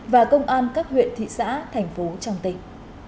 và công an các huyện thị xã thành phố trong tỉnh